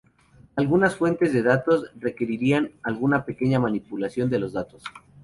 Algunas fuentes de datos requerirán alguna pequeña manipulación de los datos.